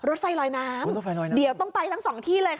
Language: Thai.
รถไฟลอยน้ำรถไฟลอยน้ำเดี๋ยวต้องไปทั้งสองที่เลยค่ะ